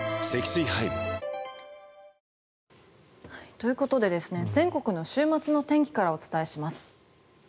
ということで全国の週末の天気からお伝えします。